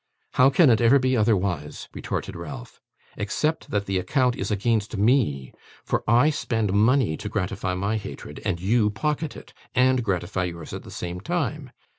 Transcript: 'How can it ever be otherwise?' retorted Ralph. 'Except that the account is against me, for I spend money to gratify my hatred, and you pocket it, and gratify yours at the same time.